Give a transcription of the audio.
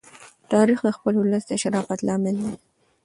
تاریخ د خپل ولس د شرافت لامل دی.